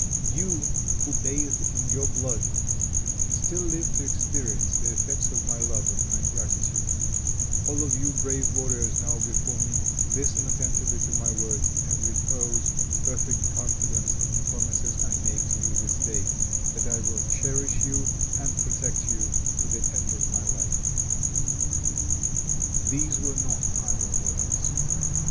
"You, who bathed in your blood, still live to experience the effects of my love and my gratitude; all of you brave warriors now before me, listen attentively to my words, and repose perfect confidence in the promises I make to you this day, that I will cherish you and protect you to the end of my life." These were not idle words.